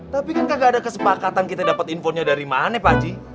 tapi kan kagak ada kesepakatan kita dapat infonya dari mana pak haji